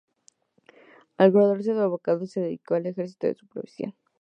Al graduarse de abogado, se dedicó al ejercicio de su profesión.